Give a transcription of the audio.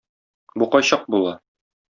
Бу кайчак була?